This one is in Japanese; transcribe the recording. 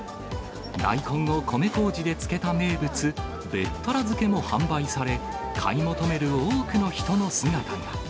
大根を米こうじで漬けた名物、べったら漬けも販売され、買い求める多くの人の姿が。